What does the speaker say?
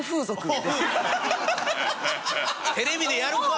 テレビでやるか！